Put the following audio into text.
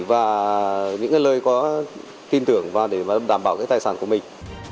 và những cái lời có tin tưởng và để đảm bảo cái tài sản của mình